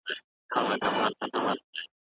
تعلیم محدود نه دی.